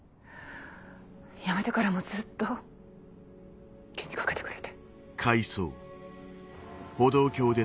辞めてからもずっと気に掛けてくれて。